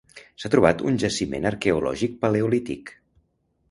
S'ha trobat un jaciment arqueològic paleolític: